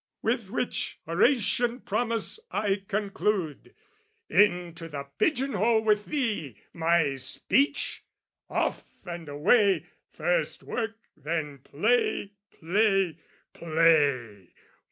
With which Horatian promise I conclude. Into the pigeon hole with thee, my speech! Off and away, first work then play, play, play!